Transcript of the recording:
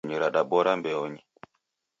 Nyonyi radabora mbeonyi.